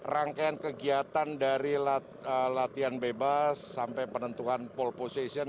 rangkaian kegiatan dari latihan bebas sampai penentuan pole position